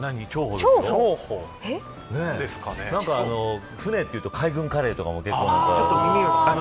何か船というと海軍カレーとかも結構ね。